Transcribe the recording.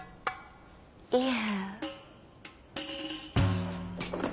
いえ。